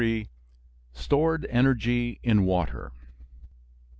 STORED ENERGY IN WATER.